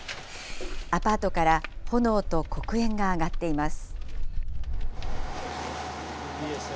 アパートから炎と黒煙が上がっています。